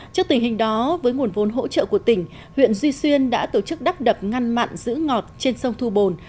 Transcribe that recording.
trước tình hình đó với nguồn vốn hỗ trợ của tỉnh huyện duy xuyên đã tổ chức đắp đập ngăn mặn giữ ngọt trên sông thu bồn